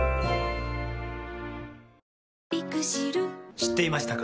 知っていましたか？